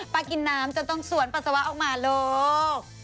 กินน้ำจนต้องสวนปัสสาวะออกมาลูก